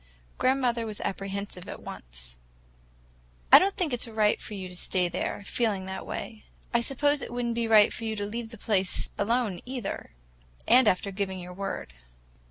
Grandmother was apprehensive at once. "I don't think it's right for you to stay there, feeling that way. I suppose it would n't be right for you to leave the place alone, either, after giving your word.